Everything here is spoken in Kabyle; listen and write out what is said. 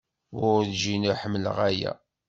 Werǧin i ḥemmleɣ aya.